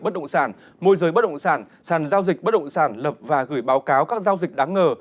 bất động sản môi giới bất động sản sàn giao dịch bất động sản lập và gửi báo cáo các giao dịch đáng ngờ